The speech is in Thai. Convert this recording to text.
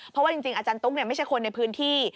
เพราะว่าจริงอาจารย์ตุ๊กไม่ใช่คนในพื้นที่